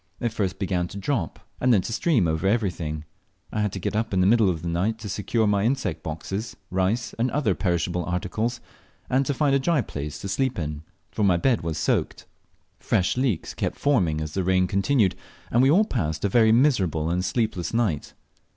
It first began to drop, and then to stream over everything. I had to get up in the middle of the night to secure my insect boxes, rice, and other perishable articles, and to find a dry place to sleep in, for my bed was soaked. Fresh leaks kept forming as the rain continued, and w e all passed a very miserable and sleepless night.